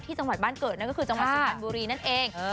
จังหวัดบ้านเกิดนั่นก็คือจังหวัดสุพรรณบุรีนั่นเอง